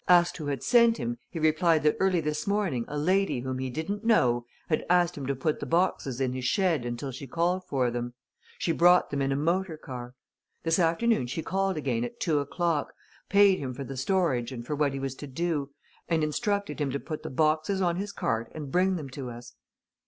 Asked who had sent him he replied that early this morning a lady whom he didn't know had asked him to put the boxes in his shed until she called for them she brought them in a motor car. This afternoon she called again at two o'clock, paid him for the storage and for what he was to do, and instructed him to put the boxes on his cart and bring them to us.